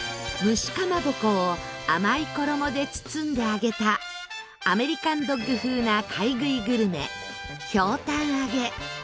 蒸しかまぼこを甘い衣で包んで揚げたアメリカンドッグ風な買い食いグルメひょうたん揚げ